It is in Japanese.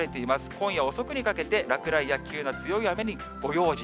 今夜遅くにかけて落雷や急な強い雨にご用心。